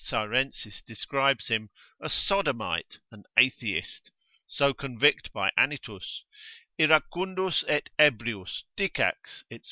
Cyrensis describes him, a sodomite, an atheist, (so convict by Anytus) iracundus et ebrius, dicax, &c.